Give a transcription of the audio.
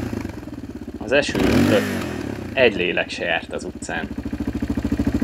Az eső ömlött, egy lélek se járt az utcán.